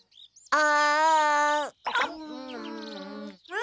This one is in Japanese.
あ。